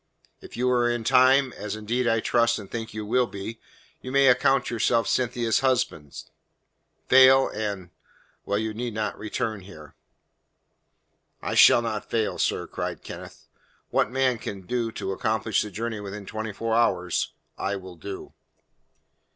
If you are in time, as indeed I trust and think you will be, you may account yourself Cynthia's husband. Fail and well, you need not return here." "I shall not fail, sir," cried Kenneth. "What man can do to accomplish the journey within twenty four hours, I will do."